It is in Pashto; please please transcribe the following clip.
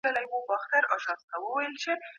په دین کي د ژوند د هرې برخې حل نغښتی دی.